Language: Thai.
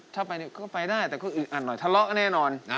ถ้าไปก็ไปได้แต่ก็อื่นอ่านหน่อยทะเลาะแน่นอน